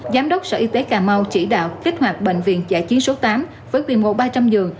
giám đốc sở y tế cà mau chỉ đạo kích hoạt bệnh viện giã chiến số tám với quy mô ba trăm linh giường